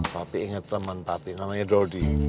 papi inget temen papi namanya dodi